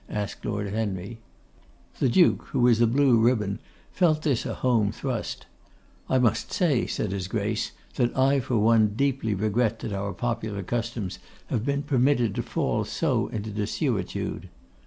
asked Lord Henry. The Duke, who was a blue ribbon, felt this a home thrust. 'I must say,' said his Grace, 'that I for one deeply regret that our popular customs have been permitted to fall so into desuetude.